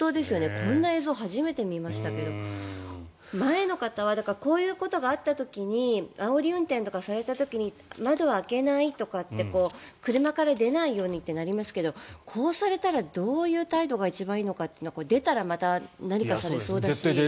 こんな映像初めて見ましたけど前の方はこういうことがあった時にあおり運転とかされた時に窓を開けないとか車から出ないようにというのがありますけどこうされたらどういう態度が一番いいのか出たら、また何かされそうだし。